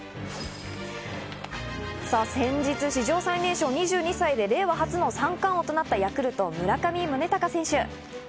先日、史上最年少２２歳で令和初の三冠王となったヤクルト・村上宗隆選手。